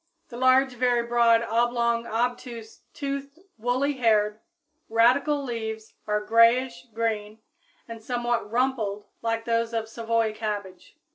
_ The large, very broad, oblong, obtuse, toothed, woolly haired, radical leaves are grayish green and somewhat rumpled like those of Savoy cabbage.